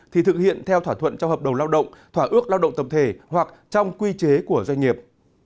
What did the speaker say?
thì thực hiện theo thỏa thuận trong hợp đồng lao động thỏa ước lao động tập thể hoặc trong quy chế của doanh nghiệp